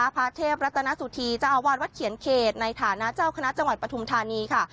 พระเทพรัตนสุธีเจ้าอาวาสวัดเขียนเขตในฐานะเจ้าคณะจังหวัดปฐุมธานีค่ะ